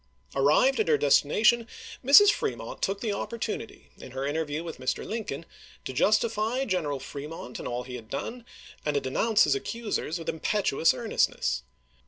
Arrived at her destination, Mrs. Fremont took the opportunity, in her interview with Mr. Lincoln, to justify General Fremont in all he had done, and to denounce his accusers with impetuous earnestness.